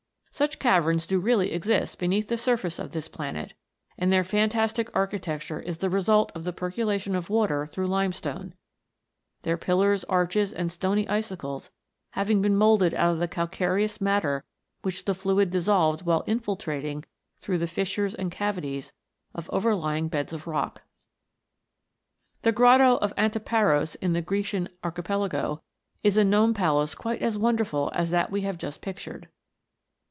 Such caverns do really exist beneath the surface of this planet, and their fantastic architecture is the result of the per colation of water through limestone ; their pillars, arches, and stony icicles having been moulded out of the calcareous matter which the fluid dis solved while infiltrating through the fissures and cavities of overlying beds of rock. The Grotto of Antiparos, in the Grecian Archi pelago, is a gnome palace quite as wonderful as that we have just pictured.